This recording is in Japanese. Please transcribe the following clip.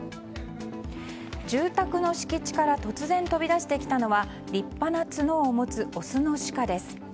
住宅の敷地から突然飛び出してきたのは立派な角を持つオスのシカです。